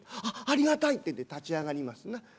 「あっありがたい」ってんで立ち上がりますな。